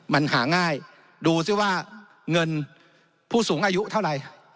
มันหาง่ายดูสิว่าเงินผู้สูงอายุเท่าไหร่